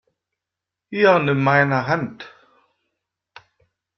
Hier, nimm meine Hand!